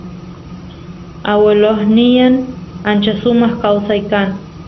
aguelosnyan ancha sumaq kawsay kan